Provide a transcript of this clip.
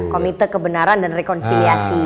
komite kebenaran dan rekonsiliasi